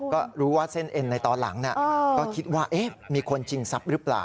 ก็รู้ว่าเส้นเอ็นในตอนหลังก็คิดว่ามีคนชิงทรัพย์หรือเปล่า